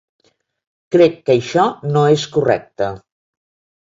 Crec que això no és correcte.